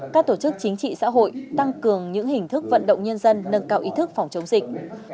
các tổ chức chính trị xã hội tăng cường những hình thức vận động nhân dân nâng cao ý thức phòng chống dịch